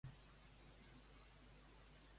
Amb quin altre factor es creu que s'enriquia Serra?